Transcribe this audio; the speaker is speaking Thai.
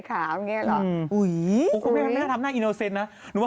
แล้วรูปคือพลังทีหรอ